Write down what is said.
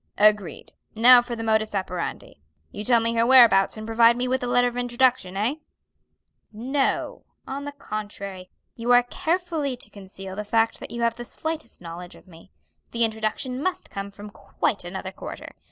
"Agreed. Now for the modus operandi. You tell me her whereabouts and provide me with a letter of introduction, eh?" "No; on the contrary, you are carefully to conceal the fact that you have the slightest knowledge of me. The introduction must come from quite another quarter.